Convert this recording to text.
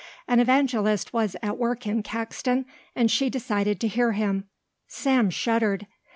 An evangelist was at work in Caxton and she had decided to hear him. Sam shuddered.